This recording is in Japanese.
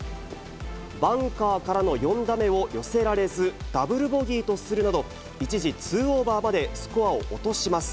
バンカーからの４打目を寄せられずダブルボギーとするなど、一時、２オーバーまでスコアを落とします。